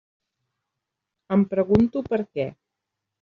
Em pregunto per què.